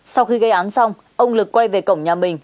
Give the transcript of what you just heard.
sau khi gây án xong ông lực quay về cổng nhà mình